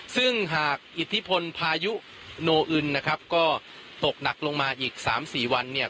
ซึ่งหากอิทธิพลพายุโนอึนนะครับก็ตกหนักลงมาอีกสามสี่วันเนี่ย